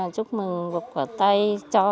chúc mừng buộc cầu tay cho